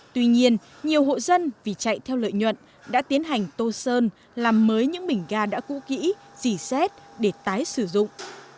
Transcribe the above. tuy nhiên nhiều hộ dân vì chạy theo lợi nhuận đã tiến hành tô sơn làm mới những bình ga đã cũ kỹ dì xét để tái sử dụng